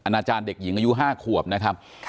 อาจารย์เด็กหญิงอายุ๕ขวบนะครับ